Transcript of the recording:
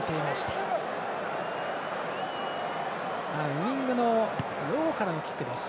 ウイングのロウからのキックです。